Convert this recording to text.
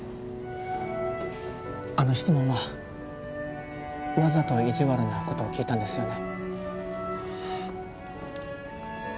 あの質問はわざといじわるなことを聞いたんですよね？